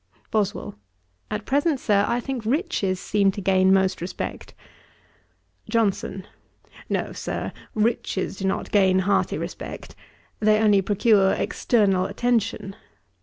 BOSWELL. 'At present, Sir, I think riches seem to gain most respect.' JOHNSON. 'No, Sir, riches do not gain hearty respect; they only procure external attention.